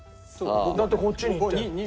だってこっちにいって。